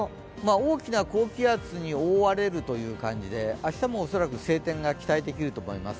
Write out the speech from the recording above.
大きな高気圧に覆われるという感じで明日も恐らく晴天が期待できると思います。